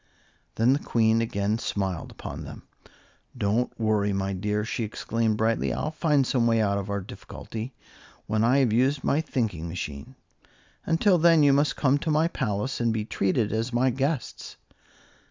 Then the Queen again smiled upon them. "Don't worry, my dear," she exclaimed, brightly, "I'll find some way out of our difficulty when I have used my thinking machine. Until then you must come to my palace and be treated as my guests."